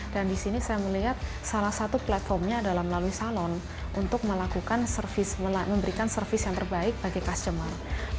dan di sini saya melihat salah satu platformnya adalah melalui salon untuk memberikan servis yang terbaik bagi customer